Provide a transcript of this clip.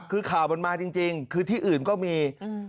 คือข่าวมันมาจริงคือที่อื่นก็มี